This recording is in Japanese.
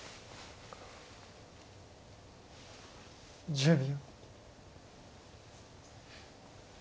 １０秒。